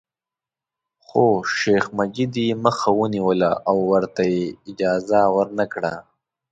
خو شیخ مجید یې مخه ونیوله او ورته یې اجازه ورنکړه.